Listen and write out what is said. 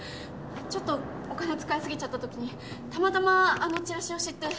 ちょっとお金使い過ぎちゃったときにたまたまあのチラシを知って。